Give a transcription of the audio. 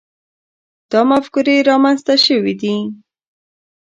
دا مفکورې رامنځته شوي دي.